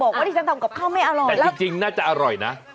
บอกว่าดิฉันทำกับข้าวไม่อร่อยแต่จริงจริงน่าจะอร่อยน่ะ